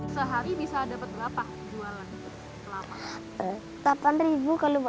sehari bisa dapat berapa jualan kelapa